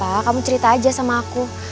gak apa apa kamu cerita aja sama aku